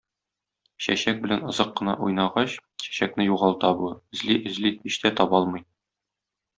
Чәчәк белән озак кына уйнагач, чәчәкне югалта бу, эзли-эзли һич тә таба алмый.